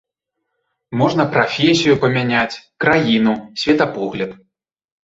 Можна прафесію памяняць, краіну, светапогляд.